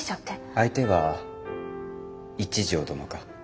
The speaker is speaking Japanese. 相手は一条殿か？